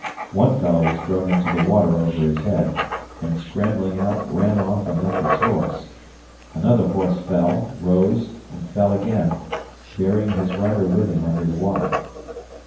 One fellow was thrown into the water over his head; and scrambling out ran off and left his horse; another horse fell, rose, and fell again, burying his rider with him under the water.